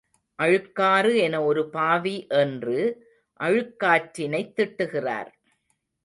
அழுக்காறு என ஒருபாவி என்று அழுக்காற்றினைத் திட்டுகிறார்.